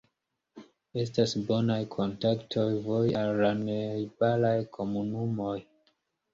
Estas bonaj kontaktoj voje al la najbaraj komunumoj.